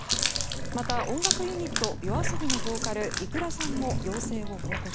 また音楽ユニットＹＯＡＳＯＢＩボーカルｉｋｕｒａさんも陽性を報告。